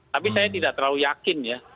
tapi saya tidak terlalu yakin ya